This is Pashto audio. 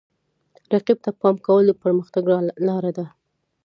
رقیب ته پام کول د پرمختګ لاره ده.